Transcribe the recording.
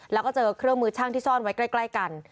แล้วก็เจอเครื่องมือช่างที่ซ่อนไว้ใกล้กัน